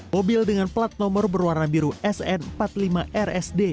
mobil dengan plat nomor berwarna biru sn empat puluh lima rsd